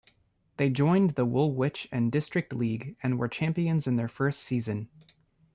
They joined the Woolwich and District League and were champions in their first season.